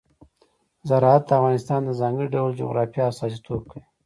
زراعت د افغانستان د ځانګړي ډول جغرافیه استازیتوب کوي.